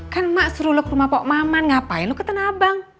kan mak seru lu ke rumah pok maman ngapain lu ke tanah abang